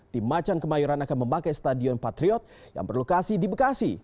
tim macan kemayoran akan memakai stadion patriot yang berlokasi di bekasi